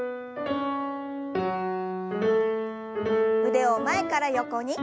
腕を前から横に。